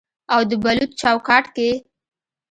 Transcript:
او د بلوط چوکاټ کې